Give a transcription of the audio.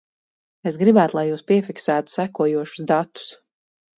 Es gribētu, lai jūs piefiksētu sekojošus datus.